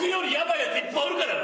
いっぱいおるからな！